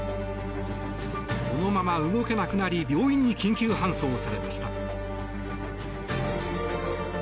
そのまま動けなくなり病院に緊急搬送されました。